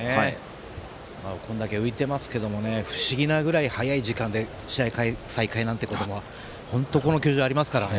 これだけ浮いてますけど不思議なぐらい早い時間で試合再開も本当に、この球場ありますからね。